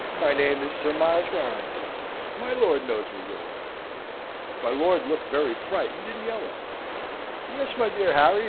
My name is Sir Miles Warrington. My lord knows me well enough." My lord looked very frightened and yellow. "Yes, my dear Harry.